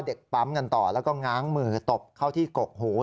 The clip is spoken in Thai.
เด็กปั๊มกันต่อแล้วก็ง้างมือตบเข้าที่กกหู